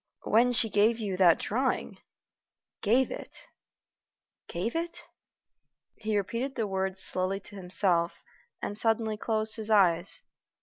"When she gave you that drawing? Gave it? gave it?" He repeated the words slowly to himself, and suddenly closed his eyes.